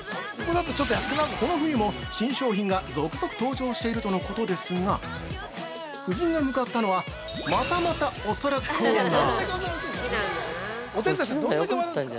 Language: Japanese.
この冬も新商品が続々登場しているとのことですが夫人が向かったのはまたまたお皿コーナー！